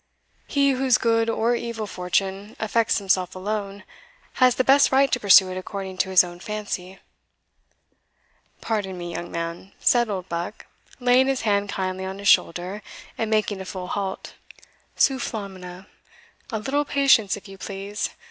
He whose good or evil fortune affects himself alone, has the best right to pursue it according to his own fancy." "Pardon me, young man," said Oldbuck, laying his hand kindly on his shoulder, and making a full halt "sufflamina a little patience, if you please.